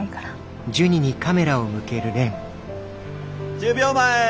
１０秒前！